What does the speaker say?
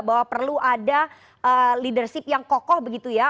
bahwa perlu ada leadership yang kokoh begitu ya